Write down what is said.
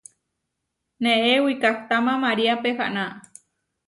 Neé wikahtáma María pehána.